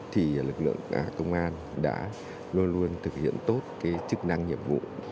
thì lực lượng công an đã luôn luôn thực hiện tốt cái chức năng nhiệm vụ